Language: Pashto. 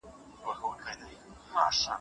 په دې ښار کې اوس د ژوند څه اثر نشته